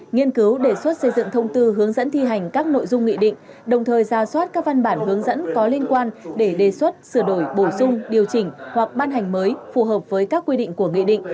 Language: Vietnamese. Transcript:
nghiên cứu đề xuất xây dựng thông tư hướng dẫn thi hành các nội dung nghị định đồng thời ra soát các văn bản hướng dẫn có liên quan để đề xuất sửa đổi bổ sung điều chỉnh hoặc ban hành mới phù hợp với các quy định của nghị định